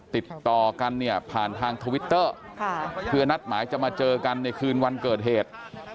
ติดต่อกันเนี่ยผ่านทางทวิตเตอร์เพื่อนัดหมายจะมาเจอกันในคืนวันเกิดเหตุ